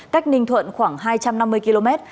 cách ninh thuận khoảng hai trăm năm mươi km